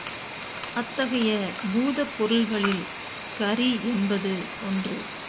அத்தகைய பூதப்பொருள்களில் கரி என்பது ஒன்று.